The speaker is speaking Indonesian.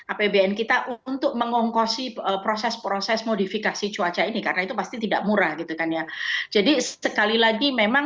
apbn kita untuk mengongkosi proses proses modifikasi cuaca ini karena itu pasti tidak murah gitu kan ya jadi sekali lagi memang